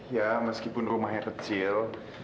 ya meskipun rumahnya kecil